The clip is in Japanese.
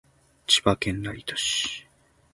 千葉県成田市